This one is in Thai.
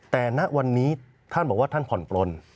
แต่ณวันนี้ท่านบอกว่าท่านผ่อนปลน